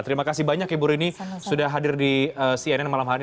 terima kasih banyak ya bu rini sudah hadir di cnn malam hari